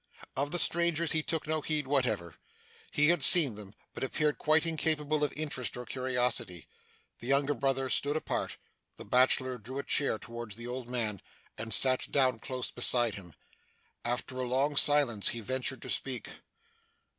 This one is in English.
Of the strangers, he took no heed whatever. He had seen them, but appeared quite incapable of interest or curiosity. The younger brother stood apart. The bachelor drew a chair towards the old man, and sat down close beside him. After a long silence, he ventured to speak.